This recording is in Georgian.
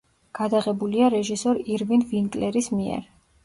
გადაღებულია რეჟისორ ირვინ ვინკლერის მიერ.